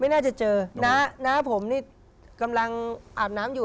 น่าจะเจอน้าน้าผมนี่กำลังอาบน้ำอยู่